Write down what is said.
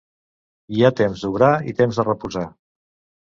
Hi ha temps d'obrar i temps de reposar.